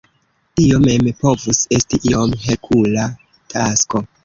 Tio mem povus esti iom Herkula tasko.